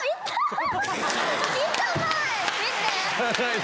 見て！